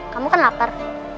kamu kan lapar